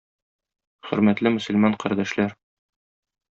Хөрмәтле мөселман кардәшләр!